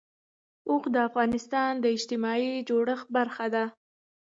اوښ د افغانستان د اجتماعي جوړښت برخه ده.